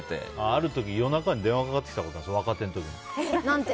ある時、夜中に電話がかかってきたことがあって若手の時に。